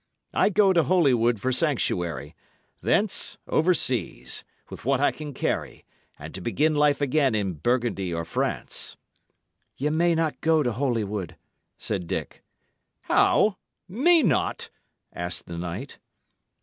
I go to Holywood for sanctuary; thence overseas, with what I can carry, and to begin life again in Burgundy or France." "Ye may not go to Holywood," said Dick. "How! May not?" asked the knight.